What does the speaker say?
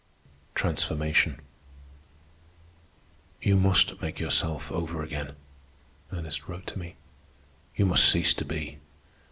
TRANSFORMATION "You must make yourself over again," Ernest wrote to me. "You must cease to be.